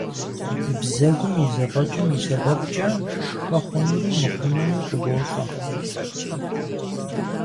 Бзэгум и зэфӀэкӀым и сэбэпкӀэ пшхы хъунури мыхъунури къыбощӀэ.